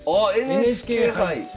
ＮＨＫ杯！